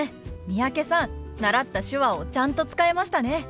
三宅さん習った手話をちゃんと使えましたね。